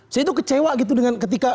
saya tuh kecewa gitu dengan ketika